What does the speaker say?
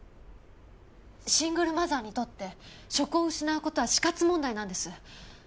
シングルマザーにとって職を失う事は死活問題なんです。